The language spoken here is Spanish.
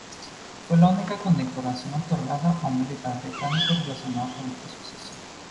Fue la única condecoración otorgada a un militar británico relacionado con este suceso.